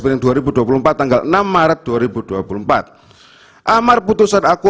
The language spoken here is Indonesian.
amar putusan aku menjaga kebenaran anda